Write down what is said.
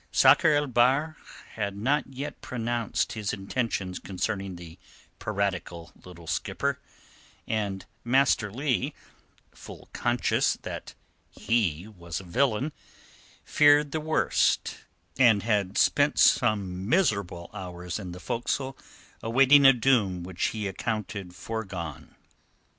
Sakr el Bahr had not yet pronounced his intentions concerning the piratical little skipper, and Master Leigh, full conscious that he was a villain, feared the worst, and had spent some miserable hours in the fore castle awaiting a doom which he accounted foregone.